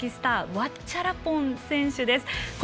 ワッチャラポン選手